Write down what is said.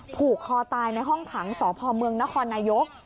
ผูกคอตายในห้องขังสพเมืองนครนายก